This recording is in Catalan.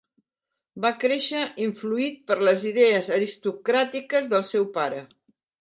Va créixer influït per les idees aristocràtiques del seu pare.